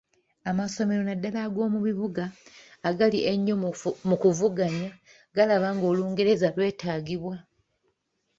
Amasomero naddala ag’omu bibuga agali ennyo mu kuvuganya galaba nga Olungereza lwetaagibwa.